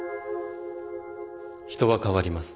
人は変わります。